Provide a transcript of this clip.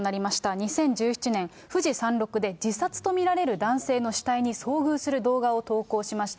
２０１７年、富士山ろくで、自殺と見られる男性の死体に遭遇する動画を投稿しました。